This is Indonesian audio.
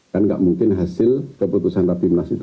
kan nggak mungkin hasil keputusan rapimnas itu